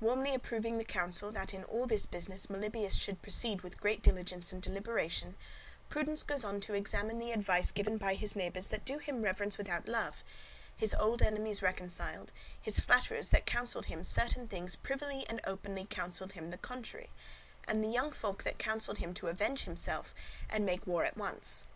Warmly approving the counsel that in all this business Melibœus should proceed with great diligence and deliberation, Prudence goes on to examine the advice given by his neighbours that do him reverence without love, his old enemies reconciled, his flatterers that counselled him certain things privily and openly counselled him the contrary, and the young folk that counselled him to avenge himself and make war at once.